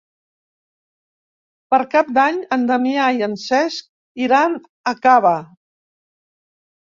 Per Cap d'Any en Damià i en Cesc iran a Cava.